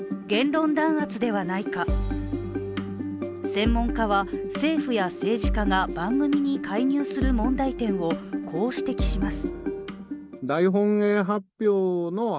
専門家は政府や政治家が番組に介入する問題点をこう指摘します。